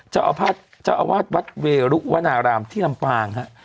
เจ้าอาวาสวัดเวรุวนารามที่ลำปางค่ะ